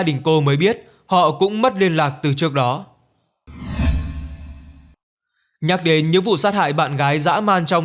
đình cô mới biết họ cũng mất liên lạc từ trước đó nhắc đến những vụ sát hại bạn gái dã man trong